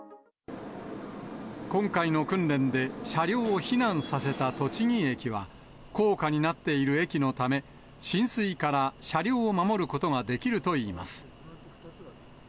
今回の訓練で、車両を避難させた栃木駅は、高架になっている駅のため、浸水から車両を守ることができるといいます。